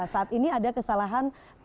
saat ini ada kesalahan